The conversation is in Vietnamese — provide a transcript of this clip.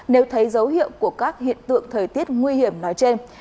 nếu thấy dấu hiệu của các hiện tượng thời tiết nguy hiểm nói trên